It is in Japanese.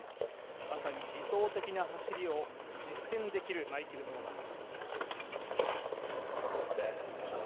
まさに理想的な走りを実践できる、マイケル・ノーマン。